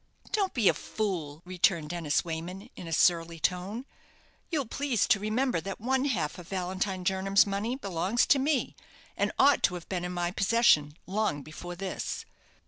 "Don't be a fool," returned Dennis Wayman, in a surly tone. "You'll please to remember that one half of Valentine Jernam's money belongs to me, and ought to have been in my possession long before this.